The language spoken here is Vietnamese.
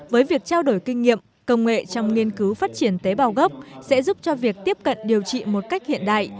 với việc trao đổi kinh nghiệm công nghệ trong nghiên cứu phát triển tế bào gốc sẽ giúp cho việc tiếp cận điều trị một cách hiện đại